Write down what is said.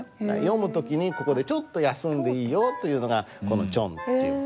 読む時にここでちょっと休んでいいよというのがこのチョンっていう。